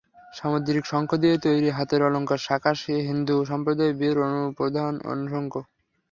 সামুদ্রিক শঙ্খ দিয়ে তৈরি হাতের অলংকার শাঁখা হিন্দু সম্প্রদায়ের বিয়ের প্রধান অনুষঙ্গ।